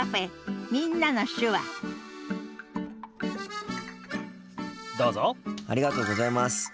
ありがとうございます。